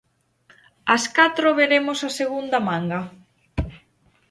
Ás catro veremos a segunda manga.